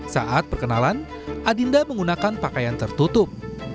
saat perkenalan adinda menggunakan pakaian tertutup